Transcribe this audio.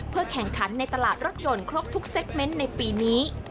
แข่งขันในตลาดรถยนต์ครบทุกเซ็กเมนต์ในปีนี้